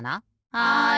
はい。